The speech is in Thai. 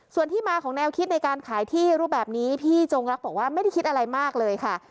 ส่วนที่มาของแนวคิดในการขายที่รูปแบบนี้พี่จงรักบอกว่าไม่ได้คิดอะไรมากเลยค่ะ